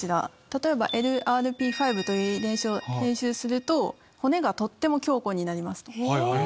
例えばＬＲＰ５という遺伝子を編集すると骨がとっても強固になりますと。